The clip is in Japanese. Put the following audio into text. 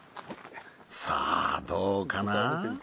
さあどうかな？